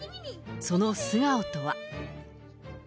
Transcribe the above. その素顔とは。